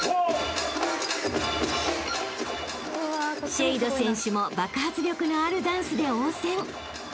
［ＳＨＡＤＥ選手も爆発力のあるダンスで応戦］